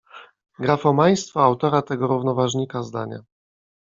Grafomaństwo autora tego równoważnika zdania.